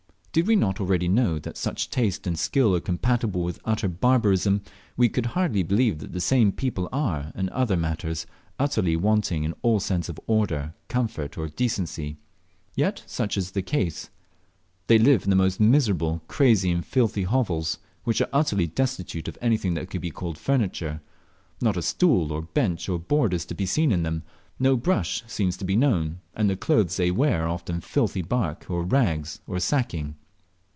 Did we not already know that such taste and skill are compatible with utter barbarism, we could hardly believe that the same people are, in other matters, utterly wanting in all sense of order, comfort, or decency. Yet such is the case. They live in the most miserable, crazy, and filthy hovels, which are utterly destitute of anything that can be called furniture; not a stool, or bench, or board is seen in them, no brush seems to be known, and the clothes they wear are often filthy bark, or rags, or sacking.